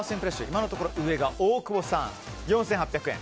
今のところ上が大久保さん、４８００円。